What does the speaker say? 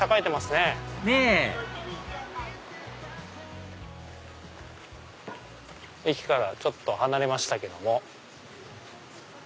ねぇ駅からちょっと離れましたけども。